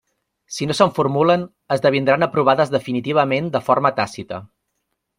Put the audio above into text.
Si no se'n formulen, esdevindran aprovades definitivament de forma tàcita.